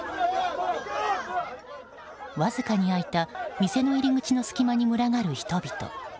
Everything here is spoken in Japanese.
わずかに開いた店の入り口の隙間に群がる人々。